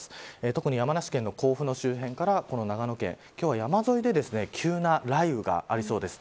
特に山梨県の甲府の周辺から長野県、今日は山沿いで急な雷雨がありそうです。